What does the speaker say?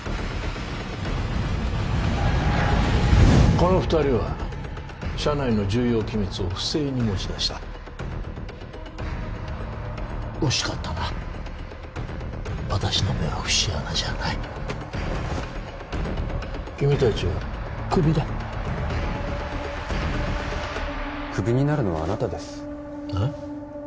この二人は社内の重要機密を不正に持ち出した惜しかったな私の目は節穴じゃない君達はクビだクビになるのはあなたですえっ？